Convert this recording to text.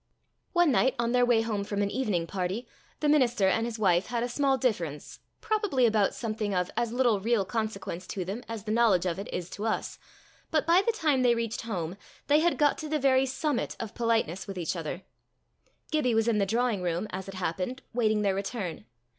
One night on their way home from an evening party, the minister and his wife had a small difference, probably about something of as little real consequence to them as the knowledge of it is to us, but by the time they reached home, they had got to the very summit of politeness with each other. Gibbie was in the drawing room, as it happened, waiting their return.